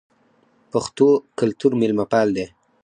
پښتو کلتور میلمه پال دی